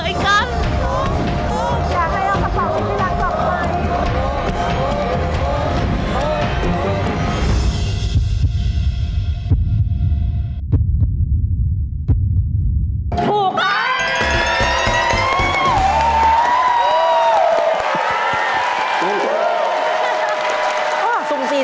อยากให้เอากระเป๋าของที่รักกลับไป